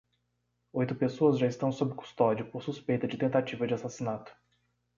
Oito pessoas já estão sob custódia por suspeita de tentativa de assassinato.